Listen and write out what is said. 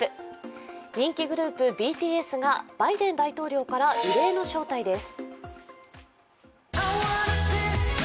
人気グループ・ＢＴＳがバイデン大統領から異例の招待です。